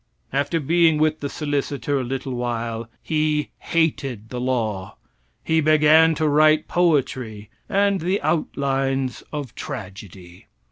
After being with the solicitor a little while, he hated the law, he began to write poetry and the outlines of tragedy.